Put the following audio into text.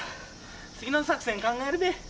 次の作戦考えるべ。